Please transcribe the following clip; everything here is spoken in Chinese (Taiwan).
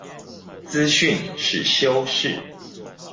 資訊是修飾